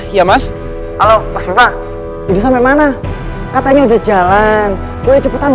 iya mas halo mas bima ini sampai mana katanya di jalan gue cepetan